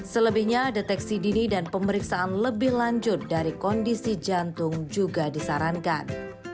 selebihnya deteksi dini dan pemeriksaan lebih lanjut dari kondisi jantung juga disarankan